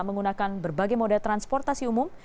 menggunakan berbagai moda transportasi umum